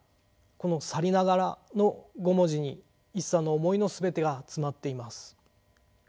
この「さりながら」の五文字に一茶の思いの全てが詰まっています。